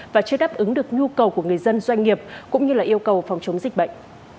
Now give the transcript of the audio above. và chưa đáp ứng được nhu cầu của người dân doanh nghiệp cũng như yêu cầu phòng chống dịch bệnh